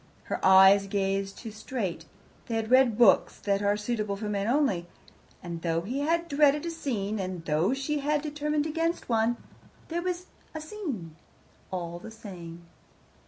Her eyes gazed too straight; they had read books that are suitable for men only. And though he had dreaded a scene, and though she had determined against one, there was a scene, all the same.